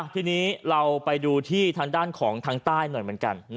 ทีนี้เราไปดูที่ทางด้านของทางใต้หน่อยเหมือนกัน